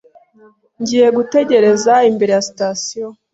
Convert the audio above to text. Ngiye gutegereza imbere ya sitasiyo.